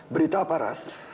berita apa ras